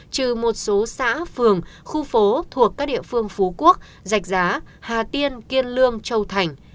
trừ một số xã phường khu phố thuộc các địa phương phú quốc giạch giá hà tiên kiên lương châu thành